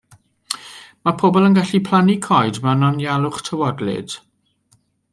Mae pobl yn gallu plannu coed mewn anialwch tywodlyd.